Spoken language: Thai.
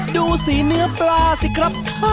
ดูสีเนื้อปลาสิครับ